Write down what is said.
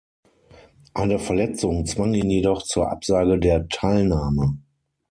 Eine Verletzung zwang ihn jedoch zur Absage der Teilnahme.